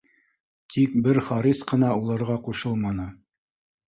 Тик бер Харис ҡына уларға ҡушылманы